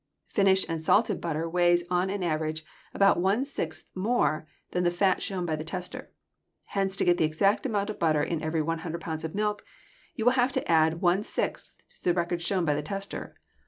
Finished and salted butter weighs on an average about one sixth more than the fat shown by the tester. Hence to get the exact amount of butter in every 100 pounds of milk, you will have to add one sixth to the record shown by the tester.